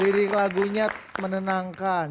lirik lagunya menenangkan